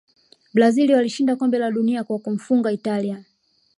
brazil walishinda kombe la dunia kwa kumfunga italia